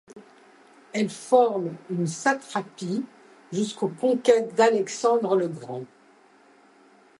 Elle forme une satrapie jusqu’aux conquêtes d’Alexandre le Grand.